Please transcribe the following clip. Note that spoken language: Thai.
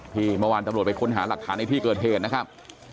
เมื่อวานตำรวจไปค้นหาหลักฐานในที่เกิดเหตุนะครับ